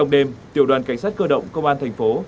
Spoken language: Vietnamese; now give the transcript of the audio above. trong đêm tiểu đoàn cảnh sát cơ động công an thành phố